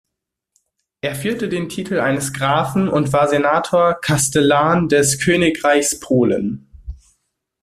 Er führte den Titel eines Grafen und war Senator-Kastellan des Königreichs Polen.